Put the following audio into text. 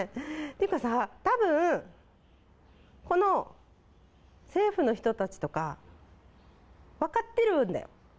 ってかさ、たぶん、この政府の人たちとか、分かってるんだよ。